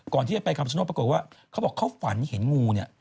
ก่อนที่จะไปคำชโนธปรากฏว่าเขาบอกเขาฝันเห็นงูเนี่ย